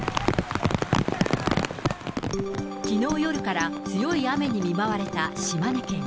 きのう夜から強い雨に見舞われた島根県。